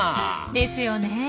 ですよねえ。